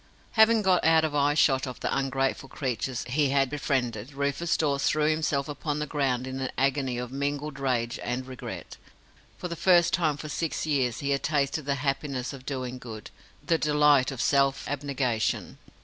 Having got out of eye shot of the ungrateful creatures he had befriended, Rufus Dawes threw himself upon the ground in an agony of mingled rage and regret. For the first time for six years he had tasted the happiness of doing good, the delight of self abnegation.